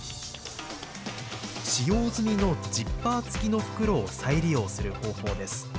使用済みのジッパー付きの袋を再利用する方法です。